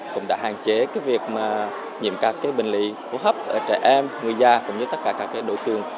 cũng đã hạn chế cái việc mà nhiễm các cái bệnh lý hỗ hấp ở trẻ em người già cũng như tất cả các cái đội tường